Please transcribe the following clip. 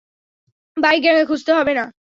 Bike গ্যাংকে খুজতে হবে না।